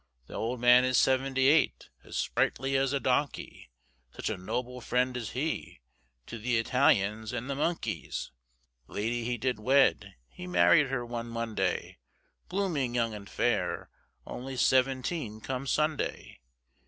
The old man is seventy eight, As sprightly as a donkey, Such a noble friend is he To the Italians & the monkeys. The lady he did wed, He married her one Monday, Blooming, young, and fair, Only seventeen come Sunday.